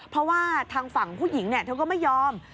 เพราะว่าทางฝั่งผู้หญิงเธอก็ไม่ยอม